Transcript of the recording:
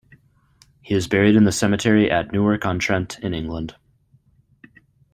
He is buried in the cemetery at Newark-on-Trent in England.